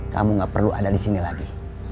kamu gak perlu ada di sini lagi